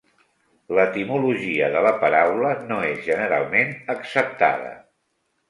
L'etimologia de la paraula no és generalment acceptada.